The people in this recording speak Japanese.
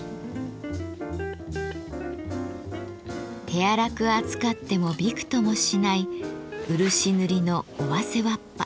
手荒く扱ってもびくともしない漆塗りの尾鷲わっぱ。